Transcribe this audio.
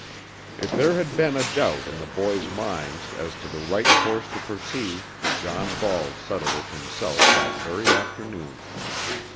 If there had been a doubt in the boys' minds as to the right course to pursue John Ball settled it himself that very afternoon.